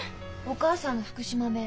お母さんの福島弁。